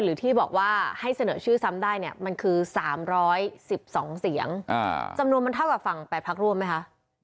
หรือที่บอกว่าให้เสนอชื่อซ้ำได้เนี่ยมันคือ๓๑๒เสียงจำนวนมันเท่ากับฝั่ง๘พักร่วมไหมคะ